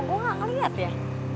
gue gak ngeliat ya